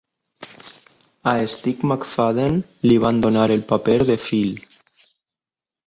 A Steve McFadden li van donar el paper de Phil.